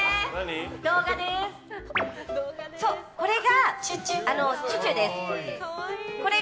これがチュチュです。